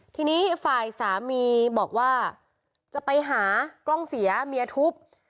ทีนี้ฝ่ายสามีบอกว่าจะไปหากล้องเสียเมียทุบ